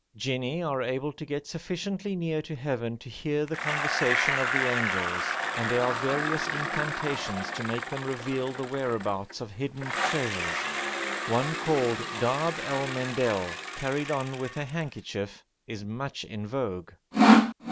Jinni are able to get sufficiently near to heaven to hear the conversation of the angels, and there are various incantations to make them reveal the whereabouts of hidden treasures. One called darb el mendel, carried on with a handkerchief, is much in vogue.